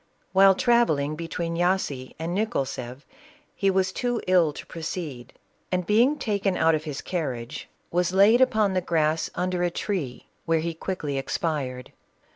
While travel ling between Yassy and Nienolaef, he was too ill to proceed, and, being taken out of hia carriage, was laid 19 434 CATHERINE OF RUSSIA. upon the grass under a tree, where he quickly expired.